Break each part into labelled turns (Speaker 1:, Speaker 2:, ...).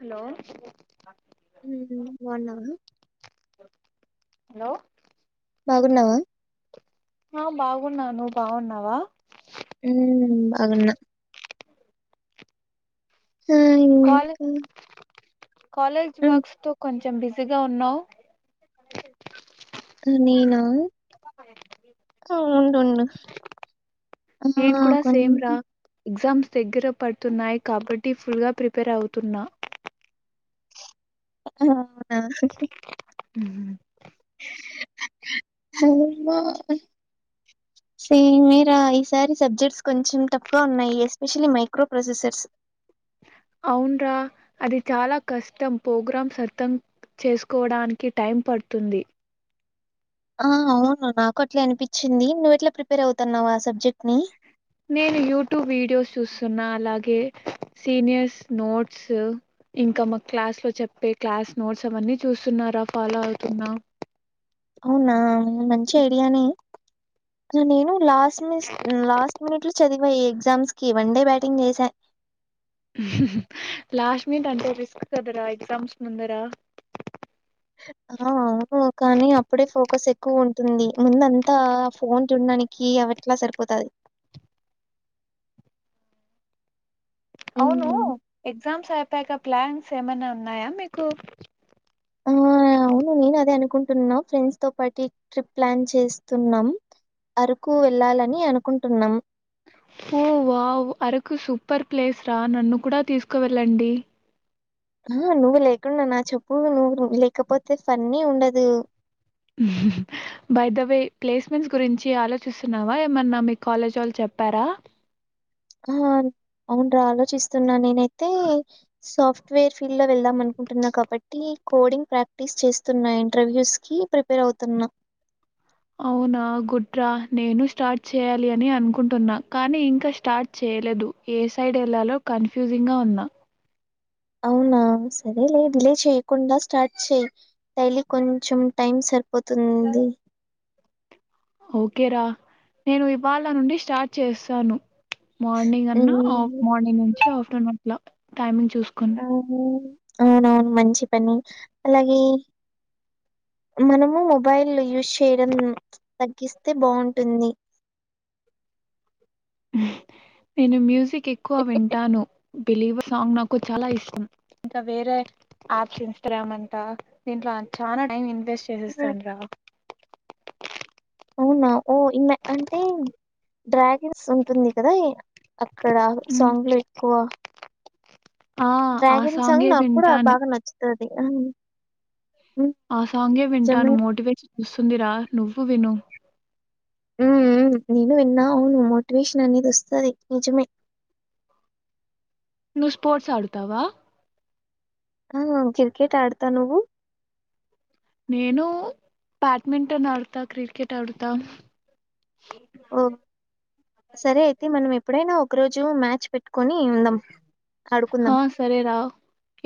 Speaker 1: Hello
Speaker 2: హ హ ఒన్
Speaker 1: హలో
Speaker 2: బాగున్నావా
Speaker 1: ఆ బాగున్నాను బాగున్నావా
Speaker 2: ఉ అదన్న హ
Speaker 1: కాల్ కాలేజ్
Speaker 2: హ్మ్.
Speaker 1: వర్క్స్ తో కొంచ చెం బిజీగా ఉన్నావ్
Speaker 2: నేనా అవున్ నున్ను ఆ
Speaker 1: నేను కూడా
Speaker 2: కొన్ని
Speaker 1: సేమ్ రా ఎగ్జామ్స్ దగ్గర పడుతున్నాయి కాబట్టి ఫుల్గా ప్రిపేర్ అవుతున్నా
Speaker 2: అవునా [unintelligible] సేమేరా ఈసారి సబ్జెక్ట్స్ కొంచెం టాప్ గా ఉన్నాయి ఎస్పెషలీ మైక్రో ప్రొసెసర్స్
Speaker 1: అవున్రా అది చాలా కష్టం ప్రోగ్రామ్స్ అర్థం చేసుకోవడానికి టైం పడుతుంది
Speaker 2: ఆ అవును నాకు అట్లే అనిపిచ్చింది నువ్వు ఎట్లా ప్రిపేర్ అవుతున్నావు ఆ సబ్జెక్ట్ ని
Speaker 1: నేను యూట్యూబ్ వీడియోస్ చూస్తున్నా అలాగే సీనియర్స్ నోట్స్ ఇంకా మా క్లాస్లో చెప్పే క్లాస్ నోట్స్ అవన్నీ చూస్తున్నారా ఫాలో అవుతున్నా
Speaker 2: అవునా ఊ మంచి ఐడియానే నేను లా స్ మిస్ లాస్ట్ మినిట్ లో చది మో ఈ ఎగ్జామ్స్ కి వన్ డే బ్యాటింగ్ చేశా
Speaker 1: లాస్ట్ మీట్ అంటే రిస్క్ కదరా ఎగ్జామ్స్ ముందర
Speaker 2: ఆ అవును కానీ అప్పుడే ఫోకస్ ఎక్కువ ఉంటుంది ముందంతా ఫోన్ చూడ్డానికి అవట్లా సరిపోతాది
Speaker 1: అవును ఎగ్జామ్స్ ఐ పోయాక ప్లాన్స్ ఏమన్నా ఉన్నాయా మీకు
Speaker 2: ఆ అవును నేను అదే అనుకుంటున్నా ఫ్రెండ్స్ తో పాటి ట్రిప్ ప్లాన్ చేస్తున్నం అరకు వెళ్ళాలని అనుకుంటున్నం
Speaker 1: ఓ వావ్ అరకు సూపర్ ప్లేస్ రా నన్ను కూడా తీసుకువెళ్ళండి
Speaker 2: ఆ నువ్వు లేకుండా నా చెప్పు నువ్వు లేకపోతే ఫన్నీ ఉండదు
Speaker 1: బై ద వై ప్లేస్మెంట్స్ గురించి ఆలోచిస్తున్నావా ఏమన్నా మీ కాలేజోళ్ళు చెప్పారా
Speaker 2: ఆ అవును రా ఆలోచిస్తున్నా నేనైతే సాఫ్ట్వేర్ ఫీల్డ్ లో వెళ్దాం అనుకుంటున్నా కాబట్టి కోడింగ్ ప్రాక్టీస్ చేస్తున్నా ఇంటర్వ్యూస్ కి ప్రిపేర్ అవుతున్నా
Speaker 1: అవునా గుడ్ రా నేనూ స్టార్ట్ చేయాలి అని అనుకుంటున్నా కానీ ఇంకా స్టార్ట్ చెయ్యలేదు ఏ సైడ్ ఏళ్లాలో కన్ఫ్యూజింగ్ గా ఉన్నా
Speaker 2: అవునా సరేలే డిలీట్ చెయ్యకుండా స్టార్ట్ చెయ్ డైలీ కొంచెం టైం సరిపోతుంది
Speaker 1: ఓకే రా నేను ఇవాళ నుండి స్టార్ట్ చేస్తాను మార్నింగ్ అన్నా ఆఫ్
Speaker 2: ఉమ్,
Speaker 1: మార్నింగ్ నుంచి ఆఫ్టర్నూన్ ట్లా టైమింగ్ చూసుకుని
Speaker 2: అవును, అవునవును మంచి పని అలాగే మనము మొబైల్ యూజ్ చేయడం తగ్గిస్తే బావుంటుంది
Speaker 1: నేను మ్యూజిక్ కెక్కువ వింటాను బిలీవ్ సాంగ్ నాకు చాలా ఇష్టం ఇంకా వేరే యాప్స్ ఇన్స్టాగ్రామ్ అంటా దీంట్లో చాలా టైం [inaudible]
Speaker 2: ఉమ్.
Speaker 1: చేసేస్తాను రా
Speaker 2: అవునా ఓ ఇమ్మె అంటే డ్రాగన్స్ ఉంటుంది కదా అక్కడ
Speaker 1: ఉమ్,
Speaker 2: సాంగ్ లో ఎక్కువ
Speaker 1: ఆ ఆ
Speaker 2: డ్రాగన్ సాంగ్
Speaker 1: సాంగే
Speaker 2: నాకు కూడా
Speaker 1: వింటాను
Speaker 2: బాగా నచ్చుతాది [unintelligible]
Speaker 1: ఆ సాంగే వింటాను మోటివే వస్తుందిరా నువ్వు విను
Speaker 2: ఉ ఉ నేను విన్నా అవును మోటివేషన్ అనేది వస్తుంది నిజమే
Speaker 1: నువు స్పోర్ట్స్ ఆడుతావా
Speaker 2: ఆ క్రికెట్ ఆడతా నువ్వు
Speaker 1: నేను బ్యాడ్మింటన్ ఆడతా క్రికెట్ ఆడతా
Speaker 2: ఓ సరే అయితే మనం ఎప్పుడైనా ఒక రోజు మ్యాచ్ పెట్
Speaker 1: హా సరే రా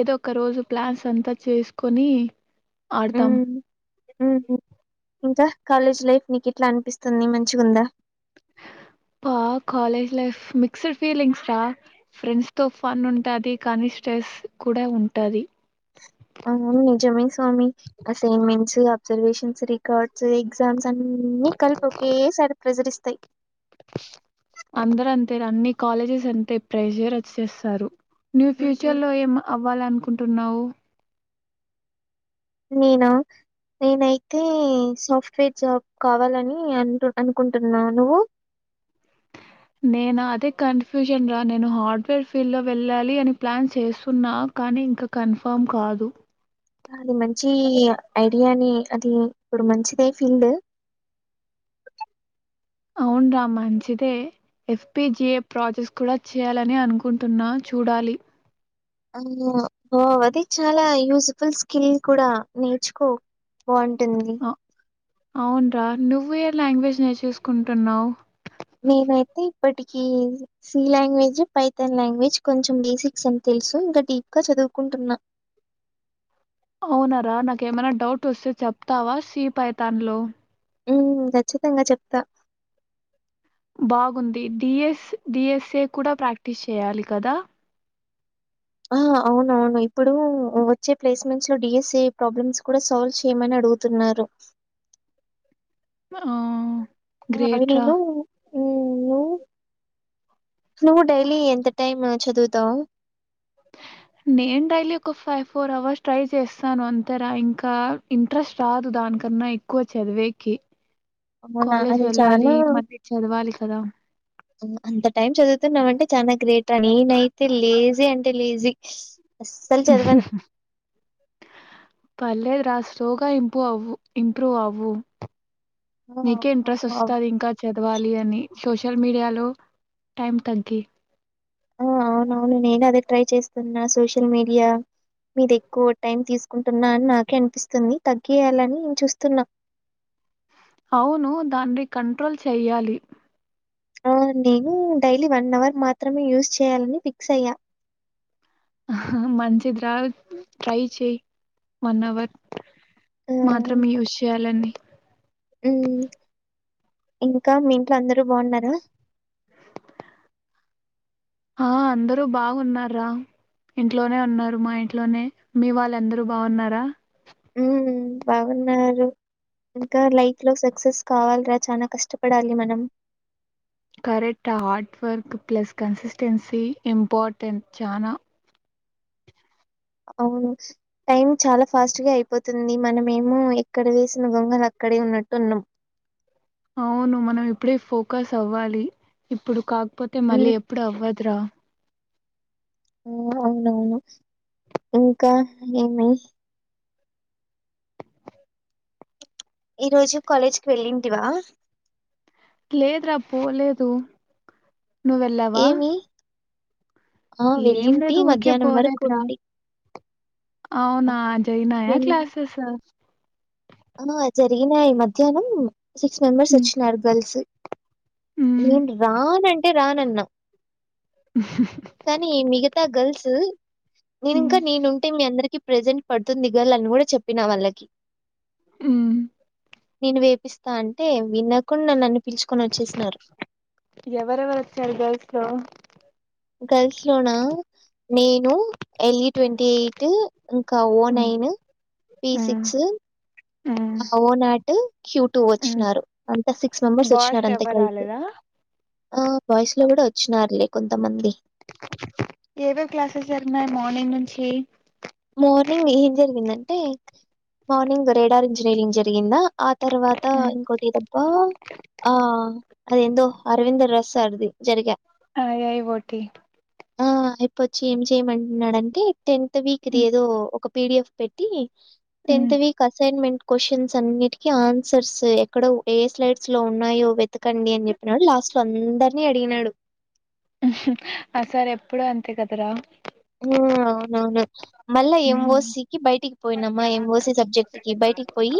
Speaker 1: ఏదో ఒక రోజు ప్లాన్స్ అంతా చేసుకొని ఆడతాం
Speaker 2: ఉమ్, ఉమ్, ఇంకా కాలేజ్ లైఫ్ నీకు ఎట్లా అనిపిస్తుంది మంచిగుందా
Speaker 1: పా కాలేజ్ లైఫ్ మిక్స్డ్ ఫీలింగ్స్ రా ఫ్రెండ్స్ తో ఫన్ ఉంటది కానీ స్ట్రెస్ కూడా ఉంటది
Speaker 2: అవును నిజమే స్వామి అసైన్మెంట్స్ అబ్సర్వేషన్స్ రికార్డ్స్ ఎగ్జామ్స్ అన్ని కలిపి ఒకే సారి ప్రెషర్ ఇస్తాయి
Speaker 1: అందరంతే అన్ని కాలేజెస్ అంతె ప్రైజర్ ఇచ్చేస్తారు ను
Speaker 2: ఉమ్,
Speaker 1: ఫ్యూచర్ లో ఏం అవ్వాలనుకు కుంటున్నావు
Speaker 2: నేనా నేనైతే సాఫ్ట్వేర్ జాబ్ కావాలని అంటూ అనుకుంటున్నాను నువు
Speaker 1: నేను అదే కన్ఫ్యూజన్ రా నేను హార్డ్వేర్ ఫీల్డ్ లో వెళ్ళాలి అని ప్లాన్ చేస్తున్నా కానీ ఇంకా కన్ఫామ్ కాదు
Speaker 2: అది మంచి ఐడియానే అది ఇప్పుడు మంచిదే ఫీల్డ్
Speaker 1: అవున్రా మంచిదే ఏఫపిజిఏ ప్రాసెస్ కూడా చేయాలని అనుకుంటున్నా చూడాలి
Speaker 2: బా అది చాలా యూస్ఫుల్ స్కిల్ కూడా నేర్చుకో బాగుంటు ట్టుంది
Speaker 1: అవున్రా నువ్వే లాంగ్వేజ్ నేర్చీసుకుంటానావ్ చూసుకుంటున్నావు
Speaker 2: నేనైతే ఇప్పటికి సి లాంగ్వేజ్ పైథాన్ లాంగ్వేజ్ కొంచెం బేసిక్స్ అని తెలుసు ఇంకా డీప్ గా చదువుకుంటున్నా
Speaker 1: అవునార నాకేమైనా డౌట్ వస్తే చెప్తావా సీ పైతాన్లో
Speaker 2: ఉ ఖచ్చితంగా చెప్తా
Speaker 1: బాగుంది డిఎస్ డిఎస్ఏ కూడా ప్రాక్టీస్ చేయాలి కదా
Speaker 2: ఆ అవునవును ఇప్పుడు వచ్చే ప్లేస్మెంట్స్ లో డిఎస్ఏ ప్రాబ్లమ్స్ కూడా సాల్వ్ చేయమని అడుగుతున్నారు
Speaker 1: ఆ
Speaker 2: ఆ అవి నేను హమ్ ను నువ్వు డైలీ ఎంత టైం చదువుతావు
Speaker 1: నేను డైలీ ఒక ఫైవ్ ఫోర్ అవర్స్ ట్రై చేస్తాను అంతెరా ఇంకా ఇంట్రెస్ట్ రాదు దానికన్నా ఎక్కువ చదివేకి
Speaker 2: అవునా
Speaker 1: కాలేజ్
Speaker 2: అది చాన
Speaker 1: వెళ్ళాలి, మళ్ళీ చదవాలి కదా!
Speaker 2: అంత టైం చదువుతున్నావంటే చాన గ్రేట్ ర నేనైతే లేజీ అంటే లేజీ అస్సలు చదవను.
Speaker 1: పర్లేదు రా స్లోగా ఇంపూవ్ అవ్వు ఇంప్రూవ్ అవ్వు
Speaker 2: ఆ!
Speaker 1: నీకే ఇంట్రెస్ట్
Speaker 2: అవునవును.
Speaker 1: వస్తాది ఇంకా చదవాల అని సోషల్ మీడియాలో టైం తగ్గి
Speaker 2: ఆ అవునవును నేను అదే ట్రై చేస్తున్నా సోషల్ మీడియా మీద ఎక్కువ టైం తీసుకుంటున్నా అని నాకే అనిపిస్తుంది తగ్గియాలని నేను చూస్తున్నా
Speaker 1: అవును దాన్ని కంట్రోల్ చెయ్యాలి
Speaker 2: నేను డైలీ వన్ అవర్ మాత్రమే యూస్ చేయాలని ఫిక్స్ అయ్యా
Speaker 1: మంచి ద రావ ట్రై చెయ్ వన్ అవర్
Speaker 2: ఆహ్,
Speaker 1: మాత్రంమే యూస్ చేయాలండి
Speaker 2: హ్మ్. ఇంకా మీ ఇంట్లో అందరు బాగున్నారా
Speaker 1: ఆ అందరు బాగున్నార్ రా ఇంట్లోనే ఉన్నారు మా ఇంట్లోనే మీ వాళ్ళు అందరు బాగున్నారా
Speaker 2: ఉ బాగున్నారు ఇంకా లైఫ్ లో సెట్ సక్సెస్ కావాలరా చాలా కష్టపడాలి మనం
Speaker 1: correct hard work plus consistency important చాలా
Speaker 2: అవును టైం చాలా ఫాస్ట్గా అయిపోతుంది మనమేమో ఎక్కడ వేసిన గొంగలు అక్కడే ఉన్నట్టు ఉన్నాం
Speaker 1: అవును మనం ఇప్పుడే ఫోకస్ అవ్వాలి ఇప్పుడు కా కపోతే
Speaker 2: హ్మ్
Speaker 1: మళ్ళీ ఎప్పుడు అవ్వదురా
Speaker 2: ఆ అవునవును ఇంకా ఏమి ఈ రోజు కాలేజ్కి వెళ్ళిందివా
Speaker 1: లేదు రా పో లేదు నువ్ వెళ్ళావా
Speaker 2: ఏమి ఆ
Speaker 1: ఏమి
Speaker 2: వెళ్ళింటి
Speaker 1: లేదు ఊర్కే
Speaker 2: మధ్యాహ్నం వరకు
Speaker 1: పోలేదు రా
Speaker 2: ఉంటి ఆ!
Speaker 1: అవునా జరిగినాయ
Speaker 2: మధ్యాహ్నం
Speaker 1: క్లాసెస్
Speaker 2: ఆ జరిగినాయి మధ్యాహ్నం సిక్స్ మెంబెర్స్ వచ్చినారు గర్ల్స్ నేను రాన్ అని నే రానన్నా కానీ మిగతా గర్ల్స్ నేను ఇంకా నేనుంటే మీ అందరికి ప్రజెంట్ పడుతుందిగల అని కూడా చెప్పినా వాళ్ళకి
Speaker 1: హ్మ్ హ్మ్
Speaker 2: నేను వేపిస్తా అంటే విన్నాకుండా నన్ను అని
Speaker 1: ఎవరెవరు వచ్చారు గర్ల్స్ లొ
Speaker 2: గర్ల్స్ లోనా నేను ఎల్ఈ ట్వంటీ ఎయిట్ ఇంకా ఓ నైన్ పి సిక్స్
Speaker 1: ఉమ్
Speaker 2: ఓనాటు క్యూటూ వచ్చినారు అంతా సిక్స్ మెంబర్స్ వచ్చిన
Speaker 1: బాయ్స్
Speaker 2: అంత
Speaker 1: ఎవరు
Speaker 2: కలిసి
Speaker 1: రాలేదా
Speaker 2: ఆ బాయిసు లో కూడా వచ్చినారలే కొంతమంది
Speaker 1: ఏమేమి క్లాసెస్ జరిగినయి మార్నింగ్ నుంచి
Speaker 2: మార్నింగ్ ఏం జరిగిందంటే మార్నింగ్ రేడార్ ఇంజనీరింగ్ జరిగిందా ఆ తర్వాత ఇంకోటి తబ్బా ఆ అదేందో అరవింద రస్ అర్ది జరిగా
Speaker 1: యి పోటి
Speaker 2: వచ్చి ఏం చేయమంటున్నాడంటే టెన్త్ వీక్ ఇది ఏదో ఒక పిడిఎఫ్ పెట్టి టెంత్ వీక్ అసైన్మెంట్ క్వశ్చన్స్ అన్నిటికి ఆన్సర్స్ ఎక్కడ ఏ స్లైడ్స్ లో ఉన్నాయో వెతి ఎకండి అని చెప్పినప్పుడు లాస్ట్ లో అందరినీ అడిగినాడు
Speaker 1: ఆ సార్ ఎప్పుడు అంతే కదరా
Speaker 2: హు అవునవును మళ్ళా
Speaker 1: ఉమ్
Speaker 2: ఎంఓసీ కి బయటికి పోయినామ్మా ఎంఓసి సబ్జెక్ట్ కి బయటికి పోయి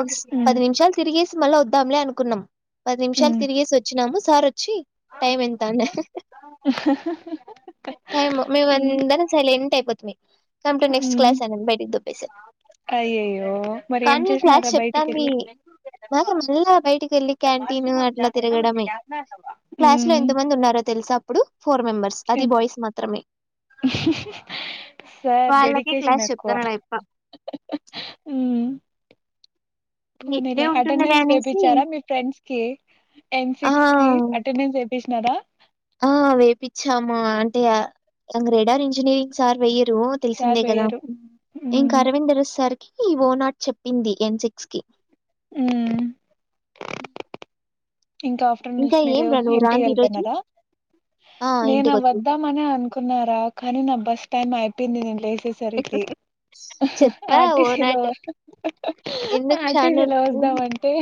Speaker 2: ఒక పది నిమిషాలు తిరిగేసి మళ్ళా వద్దాంలే అనుకు కున్నాం పది
Speaker 1: ఉమ్
Speaker 2: నిమిషాలు
Speaker 1: ఉమ్
Speaker 2: తిరిగేసి వచ్చినాము సారు చీ టైం ఎంత అనే టైమ్ మేము
Speaker 1: ఉమ్
Speaker 2: ఇందాక సైలెంట్ అయిపో పోతిమ్మి come to next
Speaker 1: um
Speaker 2: class అని బయటికి తో తోసా
Speaker 1: అయ్యయ్యో మరి ఏం చేసినారా బయటికి వెళ్ళి
Speaker 2: మల్లి రా బయటికిళ్లి క్యాంటీన్యూ అట్లా తిరగడమే క్లాస్ లో
Speaker 1: ఉమ్
Speaker 2: ఎంత మంది ఉన్నారో తెలుస అప్పుడు ఫోర్ మెంబర్స్ అది బాయ్స్ మాత్రమే
Speaker 1: సార్
Speaker 2: వాళ్ళకి
Speaker 1: డెడికేషన్
Speaker 2: క్లాస్
Speaker 1: ఎక్కువ
Speaker 2: చెప్తాన్నాడయప్ప ఇట్లే
Speaker 1: నీలే
Speaker 2: ఉంటుందిలే
Speaker 1: అటెండెన్స్
Speaker 2: అనేసి
Speaker 1: వేపిచ్చారా మీ ఫ్రెండ్స్ కి ఎన్
Speaker 2: ఆ
Speaker 1: సిక్స్ కి అటెండెన్స్ చూసినారా
Speaker 2: ఆ వేపిచ్చాము అంటే గ్రేడర్ ఇంజనీరింగ్ సార్ వెయ
Speaker 1: సార్
Speaker 2: తెలిసిందే కదా
Speaker 1: వేయరు
Speaker 2: ఇంక
Speaker 1: ఉమ్
Speaker 2: అరవింద ర సార్ ఈ ఓనాట్ చెప్పింది ఎన్ సిక్స్ కి
Speaker 1: ఆమ్ ఇంకా ఆఫ్టర్నూన్ నుంచి
Speaker 2: ఇంకా
Speaker 1: మీరు
Speaker 2: ఏం రా నువ్వు
Speaker 1: ఇంటికి
Speaker 2: రాంది ఈ రోజు
Speaker 1: వెళ్ళిపోయినారా
Speaker 2: ఆ
Speaker 1: నేను
Speaker 2: ఇంటికొచ్చేసా
Speaker 1: వద్దామ అని అనుకున్నారా కాని నా బస్ టైమ్ అయిపోయింది నేను లేసి వచ్చేసరికి
Speaker 2: చెప్పా ఓ
Speaker 1: ఆర్టీసీలో
Speaker 2: నాట్ ఎందుకు షాను
Speaker 1: ఆర్టీసీలో వద్దామంటే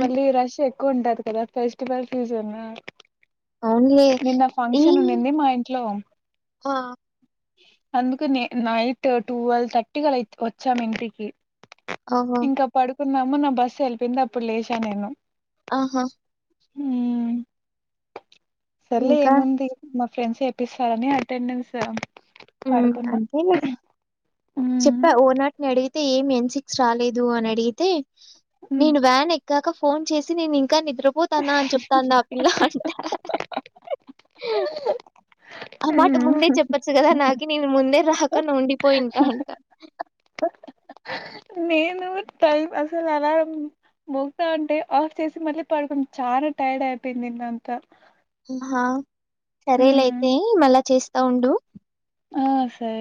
Speaker 1: మళ్ళీ రష్ కొంటా కదా ఫెస్టివల్ ఫీజన్
Speaker 2: అవునలే ఇ
Speaker 1: ఉన్నింది మా ఇంట్లో అందుకు నే నైట్ ట్వెల్వ్ థర్టీకి ఆలా వచ్చాం ఇంటికి
Speaker 2: ఆహా
Speaker 1: కున్నాము నా బస్ వెళ్ళిపోయింది అప్పుడు లేచా నేను
Speaker 2: ఆహా
Speaker 1: ఉమ్ సర్లే
Speaker 2: ఇంకా?
Speaker 1: ఏముంది మా ఫ్రెండ్స్ వేపిస్తారని అటెండెన్స్
Speaker 2: ఉమ్
Speaker 1: కడుకున్నా
Speaker 2: అంతేలే చెప్పా ఓనాటిని అడిగితే ఏమి ఎన్ సిక్స్ రాలేదు అని అడిగితే నేను వ్యాన్ ఎక్కాక ఫోన్ చేసి నేను ఇంగ నిద్రపోతానా అని చెప్తంది ఆ పిల్ల అంట హ అ మాట ముందే చెప్పచ్చు కదా నాకు నేను ముందే రాక ఉండి పోయింటా
Speaker 1: నేను టైం అసలు అలారం మోగుతా ఉంటే ఆఫ్ చేసి మళ్ళీ పడుకును చానా టైర్డ్ అయిపోయింది నిన్న అంతా
Speaker 2: హా సరేలే అయితే మళ్ళా చేస్త తా ఉండు
Speaker 1: ఆ సరే